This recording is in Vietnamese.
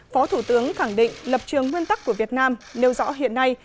phó thủ tướng khẳng định lập trường nguyên tắc của việt nam nêu rõ hiện nay